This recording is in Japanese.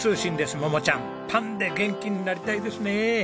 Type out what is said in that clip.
桃ちゃんパンで元気になりたいですね。